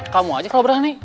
kamu aja kalau berani